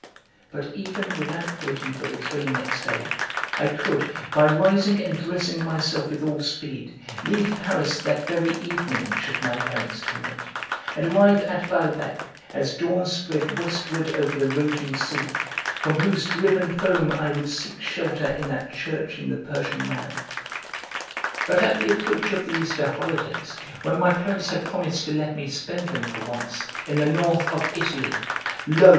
But even without waiting for the train next day, I could, by rising and dressing myself with all speed, leave Paris that very evening, should my parents permit, and arrive at Balbec as dawn spread westward over the raging sea, from whose driven foam I would seek shelter in that church in the Persian manner. But at the approach of the Easter holidays, when my parents had promised to let me spend them, for once, in the North of Italy, lo!